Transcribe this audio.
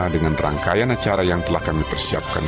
dengan rangkaian acara yang telah kami persiapkan